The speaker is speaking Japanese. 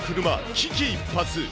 危機一髪。